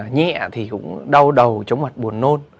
nhẹ thì cũng đau đầu chống mặt buồn nôn